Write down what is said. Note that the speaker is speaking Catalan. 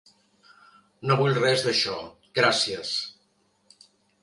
No vull res d'això, gràcies.